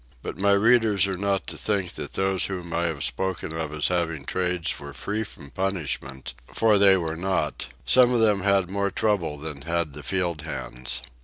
But my readers are not to think that those whom I have spoken of as having trades were free from punishment, for they were not; some of them had more trouble than had the field hands.